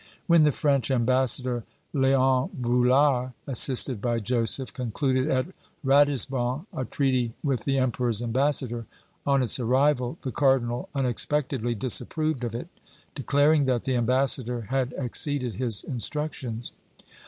When the French ambassador, Leon Brulart, assisted by Joseph, concluded at Ratisbon a treaty with the emperor's ambassador, on its arrival the cardinal unexpectedly disapproved of it, declaring that the ambassador had exceeded his instructions.